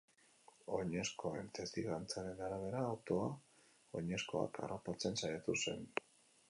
Oinezkoen testigantzaren arabera, autoa oinezkoak harrapatzen saiatu zen.